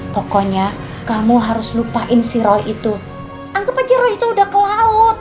pokoknya kamu harus lupain si roy itu anggap aja roy itu udah ke laut